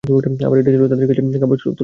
আবার এটা ছিল তাদের কাছে কাবা শরীফ তুল্য।